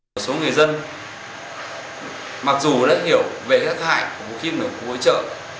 một số người dân mặc dù đã hiểu về các hại của khí nổng cú hỗ trợ